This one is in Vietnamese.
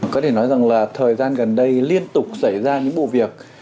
có thể nói rằng là thời gian gần đây liên tục xảy ra những vụ việc